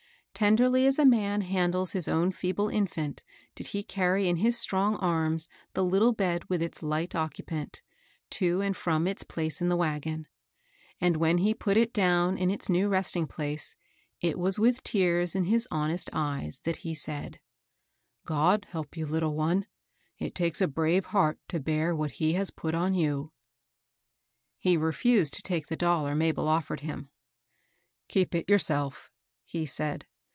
Ten derly as a man handles his own foebl^ \fi&sv\. ^^\l<^ 148 KABEL ROSS. carry in his strong arms the little bed with its light occupant, to and firom its place in the wagon ; and, when he put it down in its new resting place, it was with tears in his honest eyes that he said, —^^ God help you, little one I It takes a brave heart to bear what he has put on you." He refused to take the dollar Mabel offered him. " Keep it yourself," he said.